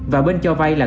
và bên cho vay là